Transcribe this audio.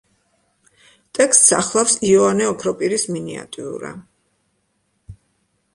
ტექსტს ახლავს იოანე ოქროპირის მინიატიურა.